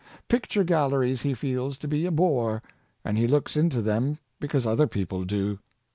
Picture galleries he feels to be a bore, and he looks into them because other people do.